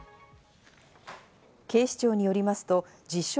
警視庁によりますと自称